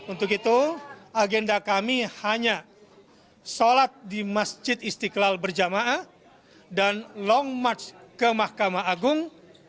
untuk itu agenda kami hanya sholat di masjid istiqlal berjamaah dan long march ke mahkamah agung